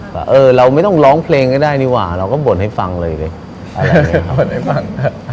ว่าเออเราไม่ต้องร้องเพลงก็ได้ดีกว่าเราก็บ่นให้ฟังเลยดิบให้ฟัง